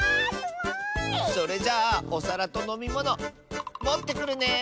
それじゃあおさらとのみものもってくるね！